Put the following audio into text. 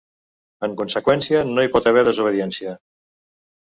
En conseqüència, ‘no hi pot haver desobediència’.